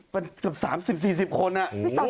เป็นกับสามสิบสี่สิบคนอ่ะ